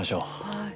はい。